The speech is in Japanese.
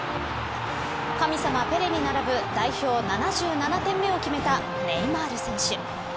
神様ペレに並ぶ代表７７点目を決めたネイマール選手。